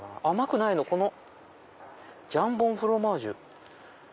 甘くないのこのジャンボン＆フロマージュ。